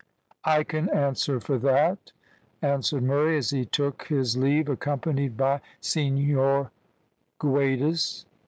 "I can answer for that," answered Murray, as he took his leave, accompanied by Senhor Guedes.